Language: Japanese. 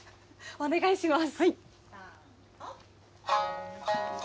お願いします。